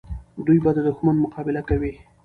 دوی به د دښمن مقابله کوي.